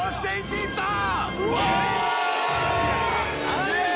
すげえ！